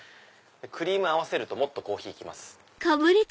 クリーム合わせるともっとコーヒーきます。